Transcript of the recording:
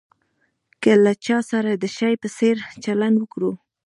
که له چا سره د شي په څېر چلند وکړو.